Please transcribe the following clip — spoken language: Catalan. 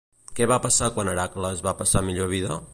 Què va passar quan Hèracles va passar a millor vida?